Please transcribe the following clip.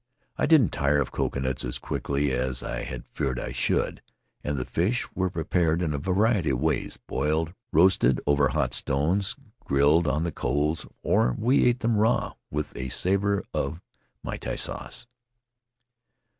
I didn't tire of coconuts as quickly as I had feared I should; and the fish were prepared in a variety of ways — boiled, roasted over hot stones, grilled on the coals, or we ate them raw with a savor of miti sauce.